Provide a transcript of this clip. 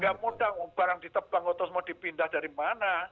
gak mudah barang ditebang otos mau dipindah dari mana